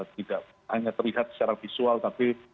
tidak hanya terlihat secara visual tapi